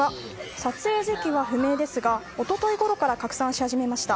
撮影時期は不明ですが一昨日ごろから拡散し始めました。